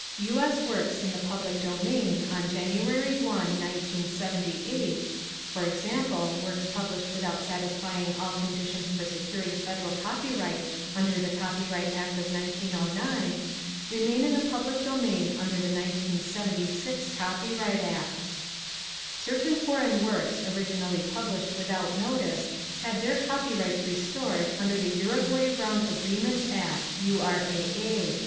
U. S. works in the public domain on January 1, 1978, (for example, works published without satisfying all conditions for securing federal copyright under the Copyright Act of 1909) remain in the public domain under the 1976 Copyright Act. Certain foreign works originally published without notice had their copyrights restored under the Uruguay Round Agreements Act (URAA).